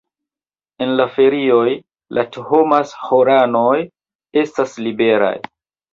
En la ferioj la Thomas-ĥoranoj estas liberaj.